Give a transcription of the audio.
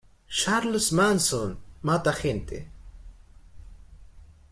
Charles Manson mata gente.